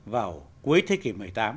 vào cuối thế kỷ một mươi tám